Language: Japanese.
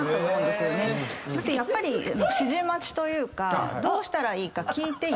だって指示待ちというかどうしたらいいか聞いて。